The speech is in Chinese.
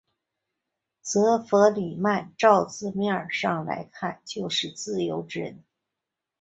则弗里曼照字面上来看就是自由之人。